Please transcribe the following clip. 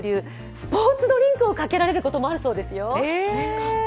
スポーツドリンクをかけられることもあるそうですよ。